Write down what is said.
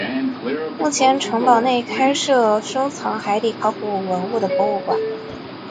目前城堡内开设收藏海底考古文物的博物馆。